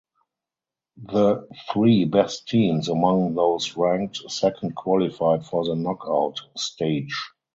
The three best teams among those ranked second qualified for the knockout stage.